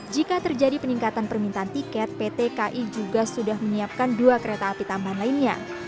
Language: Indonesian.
jika terjadi peningkatan permintaan tiket pt ki juga sudah menyiapkan dua kereta api tambahan lainnya